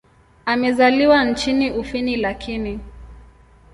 Amezaliwa nchini Ufini lakini.